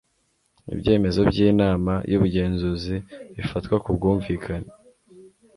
ibyemezo by'inama y'ubugenzuzi bifatwa kubwumvikane